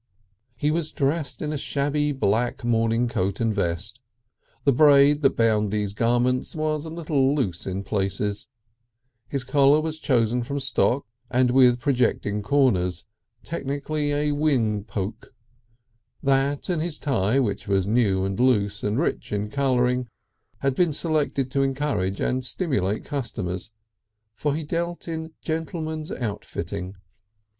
He was dressed in a shabby black morning coat and vest; the braid that bound these garments was a little loose in places; his collar was chosen from stock and with projecting corners, technically a "wing poke"; that and his tie, which was new and loose and rich in colouring, had been selected to encourage and stimulate customers for he dealt in gentlemen's outfitting.